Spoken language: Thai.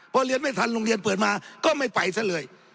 พอเรียนไม่ทันโรงเรียนเปิดมาก็ไม่ไปซะเลย